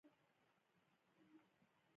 کاناډا د فرنیچر لرګي لري.